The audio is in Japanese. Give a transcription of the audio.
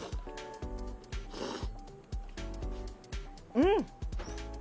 うん。